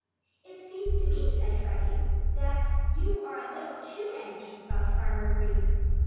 "It seems to me," said Freddie, "that you are a little too anxious about Farmer Green."